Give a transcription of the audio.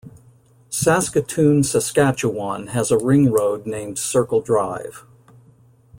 Saskatoon, Saskatchewan has a ring road named Circle Drive.